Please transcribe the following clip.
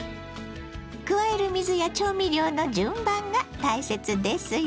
加える水や調味料の順番が大切ですよ。